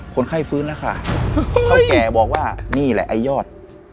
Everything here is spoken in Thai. คนไข้ฟื้นแล้วค่ะเท่าแก่บอกว่านี่แหละไอ้ยอด